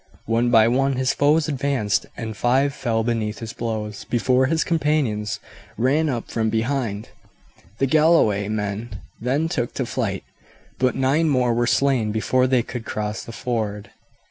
One by one his foes advanced, and five fell beneath his blows, before his companions ran up from behind. The Galloway men then took to flight, but nine more were slain before they could cross the ford.